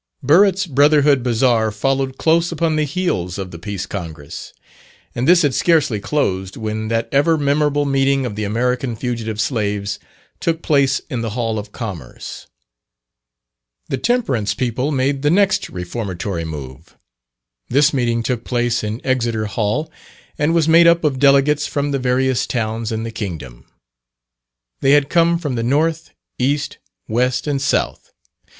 Burritt's Brotherhood Bazaar followed close upon the heels of the Peace Congress; and this had scarcely closed, when that ever memorable meeting of the American Fugitive Slaves took place in the Hall of Commerce. The Temperance people made the next reformatory move. This meeting took place in Exeter Hall, and was made up of delegates from the various towns in the kingdom. They had come from the North, East, West, and South.